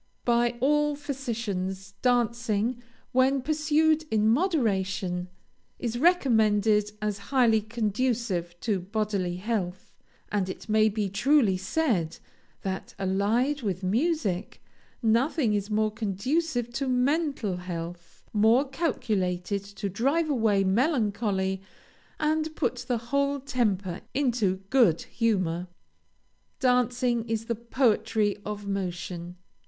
By all physicians, dancing, when pursued in moderation, is recommended as highly conducive to bodily health; and it may be truly said, that, allied with music, nothing is more conducive to mental health, more calculated to drive away melancholy, and put the whole temper into good humor. Dancing is the poetry of motion.